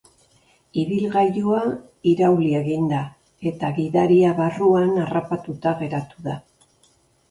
Ibilgailua irauli egin da, eta gidaria barruan harrapatuta geratu da.